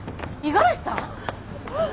五十嵐さん！？